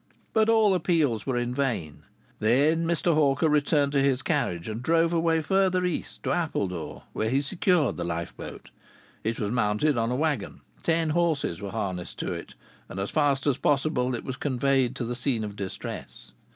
But all appeals were in vain. Then Mr. Hawker returned to his carriage, and drove away farther east to Appledore, where he secured the lifeboat. It was mounted on a wagon; ten horses were harnessed to it; and as fast as possible it was conveyed to the scene of distress.